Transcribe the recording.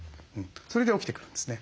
それで起きてくるんですね。